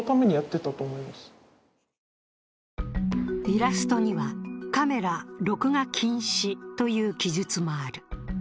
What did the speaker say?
イラストにはカメラ、録画禁止という記述もある。